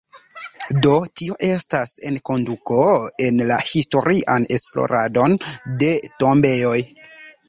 Do, tio estas enkonduko en la historian esploradon de tombejoj.